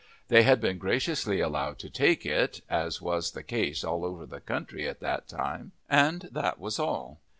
They had been graciously allowed to take it, as was the case all over the country at that time, and that was all.